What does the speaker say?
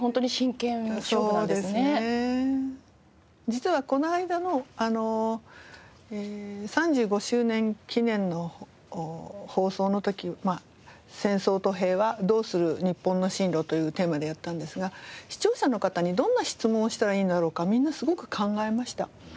実はこの間の３５周年記念の放送の時「戦争と平和ドする？！日本の針路」というテーマでやったんですが視聴者の方にどんな質問をしたらいいんだろうかみんなすごく考えました。